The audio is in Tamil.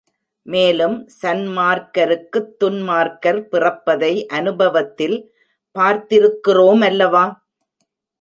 மேலும் சன்மார்க்கருக்குத் துன்மார்க்கர் பிறப்பதை அநுபவத்தில் பார்த்திருக்கிறோமல்லவா?